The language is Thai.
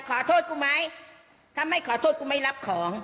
ขอโทษกูไหมถ้าไม่ขอโทษกูไม่รับของ